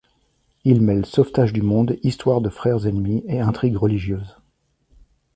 Il mêle sauvetage du monde, histoires de frères ennemis et intrigues religieuses.